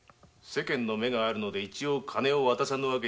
世間の目があるので一応金を渡さぬ訳には。